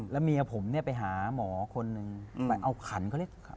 แล้วเมียผมเนี่ยไปหาหมอคนนึงเอาขันเขาเรียกไปจำเลิน